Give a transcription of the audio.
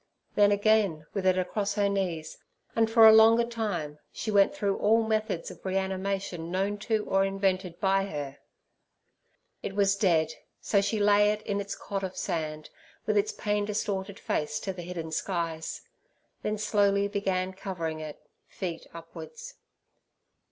Then again, with it across her knees, and for a longer time, she went through all methods of reanimation known to or invented by her. It was dead, so she laid it in its cot of sand, with its pain distorted face to the hidden skies; then slowly began covering it, feet upwards.